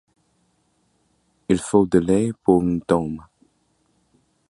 Il faut de lait pour une tome.